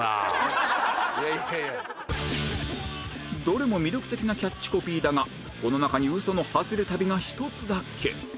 どれも魅力的なキャッチコピーだがこの中にウソのハズレ旅が１つだけ